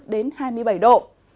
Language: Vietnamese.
đến hai mươi bảy độ